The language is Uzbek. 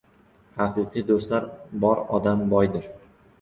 • Haqiqiy do‘stlari bor odam boydir.